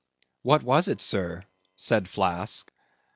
"What was it, Sir?" said Flask.